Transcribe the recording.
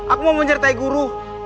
aku mau menyertai guru